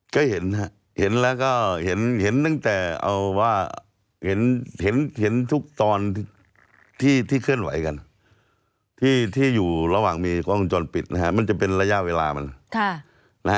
ก็เห็นฮะเห็นแล้วก็เห็นเห็นตั้งแต่เอาว่าเห็นทุกตอนที่เคลื่อนไหวกันที่อยู่ระหว่างมีกล้องวงจรปิดนะฮะมันจะเป็นระยะเวลามันนะฮะ